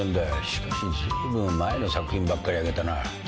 しかしずいぶん前の作品ばっかり挙げたな。